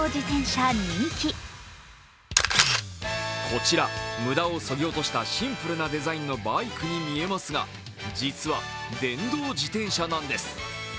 こちら無駄をそぎ落としたシンプルなデザインのバイクに見えますが実は電動自転車なんです。